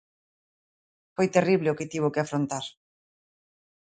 Foi terrible o que tivo que afrontar.